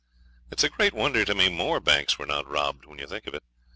It's a great wonder to me more banks were not robbed when you think of it.